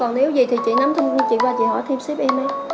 còn nếu gì thì chị nắm thông tin chị và chị hỏi thêm sếp em ấy